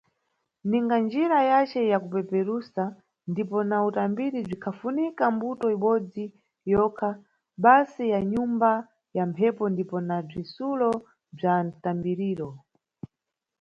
Ninga njira yace ya kupeperusa ndipo na utambiri bzikhafunika mbuto ibodzi yokha basi ya nyumba ya mphepo ndipo na bzitsulo bza mtambiriro.